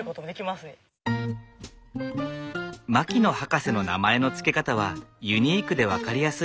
牧野博士の名前の付け方はユニークで分かりやすい。